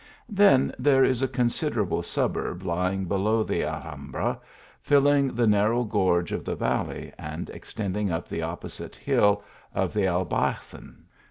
Then there is a considerable suburb lying below the Alhambra, filling the narrow gorge of the valley, and extending up the opposite hill of the Albaycin.